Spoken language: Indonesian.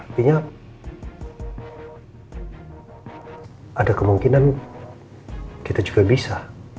artinya ada kemungkinan kita juga bisa